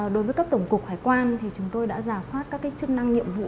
đối với các tổng cục hải quan chúng tôi đã giả soát các chức năng nhiệm vụ